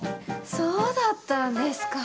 そうだったんですかぁ。